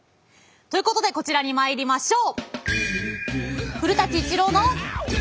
ということでこちらにまいりましょう！